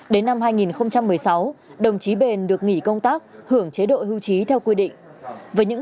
đến năm hai nghìn một mươi sáu đồng chí bền được nghỉ công tác hưởng chế độ hưu trí theo quy định